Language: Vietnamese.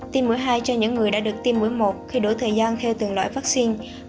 tiêm mũi hai cho những người đã được tiêm mũi một khi đổi thời gian theo từng loại vaccine